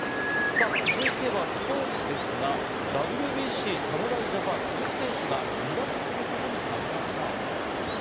続いてはスポーツですが、ＷＢＣ侍ジャパン・鈴木選手が離脱することになりました。